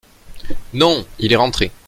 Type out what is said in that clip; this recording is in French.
Non, il est rentré.